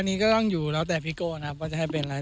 อันนี้ก็ต้องอยู่แล้วแต่พี่โก้นะครับว่าจะให้เป็นอะไร